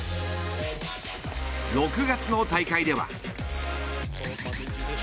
６月の大会では。